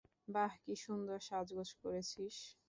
বাহ, কী সুন্দর সাজগোজ করেছিস!